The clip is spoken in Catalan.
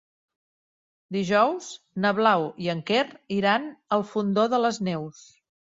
Dijous na Blau i en Quer iran al Fondó de les Neus.